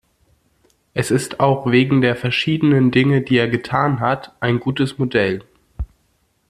Es ist auch wegen der verschiedenen Dinge, die er getan hat, ein gutes Modell.